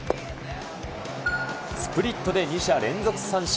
スプリットで２者連続三振。